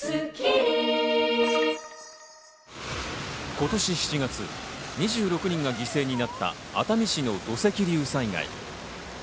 今年７月、２６人が犠牲になった熱海市の土石流災害。